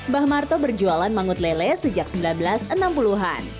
bah marto berjualan mangut lele sejak seribu sembilan ratus enam puluh an